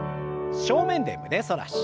正面で胸反らし。